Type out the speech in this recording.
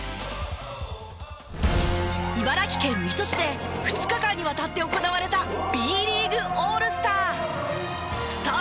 茨城県水戸市で２日間にわたって行われたＢリーグオールスター。